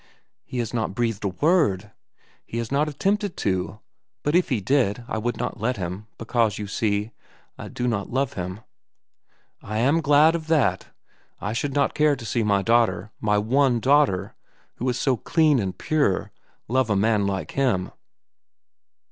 "He has not breathed a word. He has not attempted to; but if he did, I would not let him, because, you see, I do not love him." "I am glad of that. I should not care to see my daughter, my one daughter, who is so clean and pure, love a man like him.